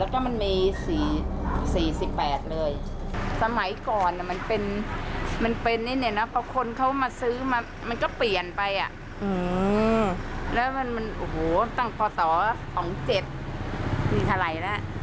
จึงได้รีบย้อนกลับไปทันที